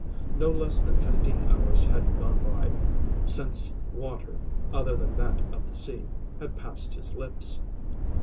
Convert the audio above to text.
No less than fifteen hours had gone by since water other than that of the sea had passed his lips.